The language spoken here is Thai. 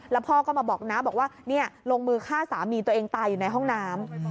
แล้วพ่อก็มาบอกนะบอกว่าลงมือฆ่าสามีตัวเองตายอยู่ในห้องน้ำ